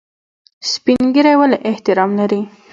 سپین ږیری ولې احترام لري؟